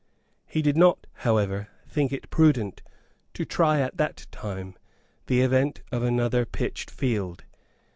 He did not, however, think it prudent to try at that time the event of another pitched field.